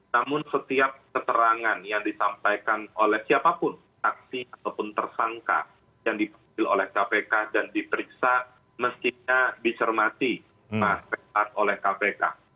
namun setiap keterangan yang disampaikan oleh siapapun taksi ataupun tersangka yang dipanggil oleh kpk dan diperiksa mestinya dicermati oleh kpk